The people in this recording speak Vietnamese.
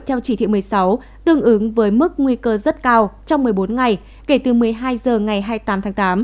theo chỉ thị một mươi sáu tương ứng với mức nguy cơ rất cao trong một mươi bốn ngày kể từ một mươi hai h ngày hai mươi tám tháng tám